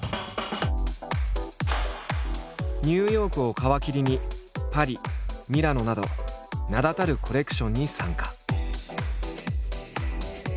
ニューヨークを皮切りにパリミラノなど名だたるコレクションに参加。